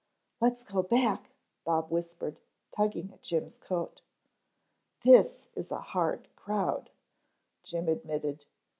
"Let's go back," Bob whispered, tugging at Jim's coat. "This is a hard crowd," Jim admitted.